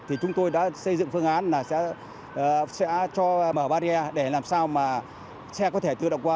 thì chúng tôi đã xây dựng phương án là sẽ cho mở barrier để làm sao mà xe có thể tự động qua